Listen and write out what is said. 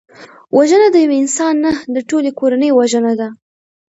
وژنه د یو انسان نه، د ټولي کورنۍ وژنه ده